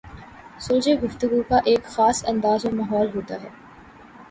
سلجھی گفتگو کا ایک خاص انداز اور ماحول ہوتا ہے۔